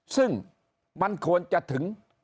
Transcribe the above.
ซึ่งมันควรจะถึง